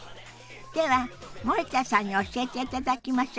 では森田さんに教えていただきましょ。